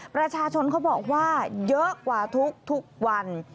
ประชาชนเขาบอกว่าเยอะกว่าทุกวัน